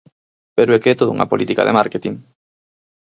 Pero é que é todo unha política de márketing.